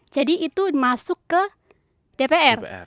jadi itu masuk ke dpr